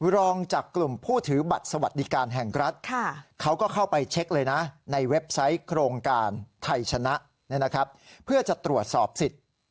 รองจากกลุ่มผู้ถือบัตรสวัสดิการแห่งรัฐเขาก็เข้าไปเช็คเลยนะในเว็บไซต์โครงการไทยชนะเพื่อจะตรวจสอบสิทธิ์